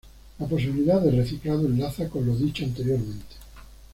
La posibilidad de reciclado enlaza con lo dicho anteriormente.